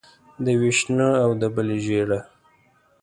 د یوې شنه او د بلې ژېړه.